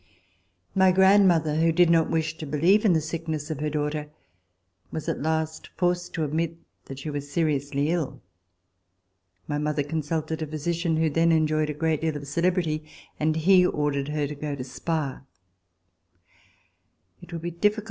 My grandmother, who did not wish to beheve in the sickness of her daughter, was at last forced to admit that she was seriously ill. My mother consulted a physician who then enjoyed a great deal of ce lebrity, and he ordered her to go to Spa.